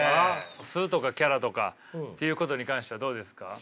素とかキャラとかっていうことに関してはどうですか？